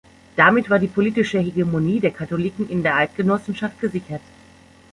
Damit war die politische Hegemonie der Katholiken in der Eidgenossenschaft gesichert.